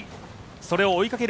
それを追いかける